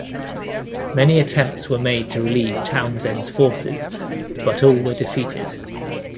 Many attempts were made to relieve Townshend's forces, but all were defeated.